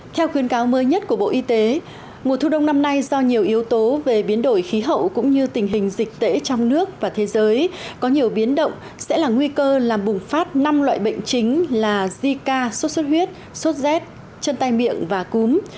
theo khuyến cáo mới nhất của bộ y tế mùa thu đông năm nay do nhiều yếu tố về biến đổi khí hậu cũng như tình hình dịch tễ trong nước và thế giới có nhiều biến động sẽ là nguy cơ làm bùng phát năm loại bệnh chính là zika sốt xuất huyết sốt rét chân tay miệng và cúm